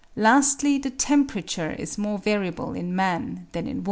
Lastly the temperature is more variable in man than in woman.